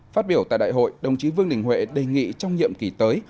phát biểu tại đại hội đồng chí vương đình huệ đề nghị trong nhiệm kỳ tới